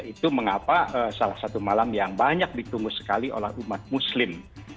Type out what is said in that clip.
itu mengapa salah satu malam yang banyak ditunggu sekali oleh umat muslim